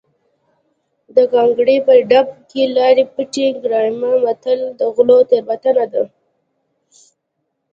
د ګانګړې په ډب کې لاړې بټه ګرامه متل د غلو تېروتنه ده